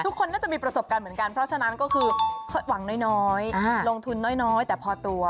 ทุกคนน่าจะมีประสบการณ์เหมือนกันเพราะฉะนั้นก็คือหวังน้อยลงทุนน้อยแต่พอตัว